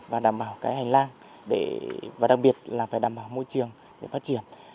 và đảm bảo cái hành lang và đặc biệt là phải đảm bảo môi trường để phát triển